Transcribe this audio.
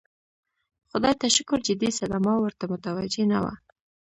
خدای ته شکر جدي صدمه ورته متوجه نه وه.